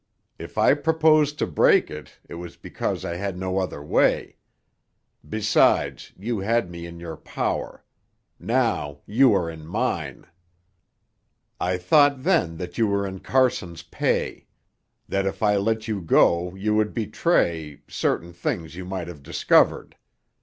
If I proposed to break it, it was because I had no other way. Besides, you had me in your power. Now you are in mine. "I thought then that you were in Carson's pay. That if I let you go you would betray certain things you might have discovered.